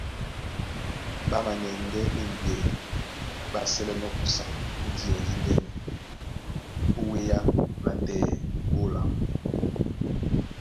Ɓá manɛŋgɛ́ ɓên ɓeyɛy ɓá sɛ́lɛ́nɔ̄ kusa ó díɔ díndɛ́nɛ ó wéá nátɛɛ ɓé óla.